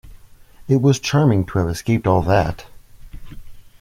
It was charming to have escaped all that!